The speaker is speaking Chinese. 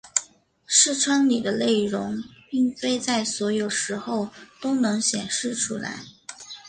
视窗里的内容并非在所有时候都能显示出来。